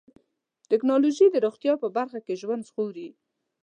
ټکنالوجي د روغتیا په برخه کې ژوند ژغوري.